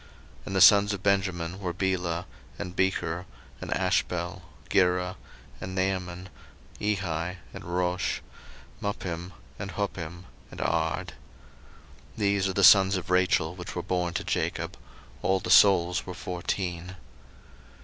01:046:021 And the sons of Benjamin were Belah, and Becher, and Ashbel, Gera, and Naaman, Ehi, and Rosh, Muppim, and Huppim, and Ard. 01:046:022 These are the sons of Rachel, which were born to Jacob: all the souls were fourteen.